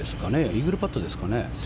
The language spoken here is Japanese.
イーグルパットですかね。